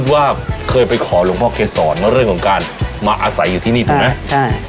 ว่าเคยไปขอหลวงพ่อเกษรเรื่องของการมาอาศัยอยู่ที่นี่ถูกไหมใช่